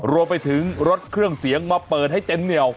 รวมไปถึงรถเครื่องเสียงมาเปิดให้เต็มเหนียว